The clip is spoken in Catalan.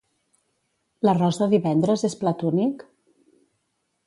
L'arròs de divendres és plat únic?